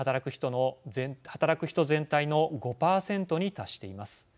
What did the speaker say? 働く人全体の５％に達しています。